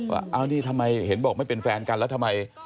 ว่าอ้าวนี่ทำไมเห็นบอกไม่เป็นแฟนกันแล้วทำไม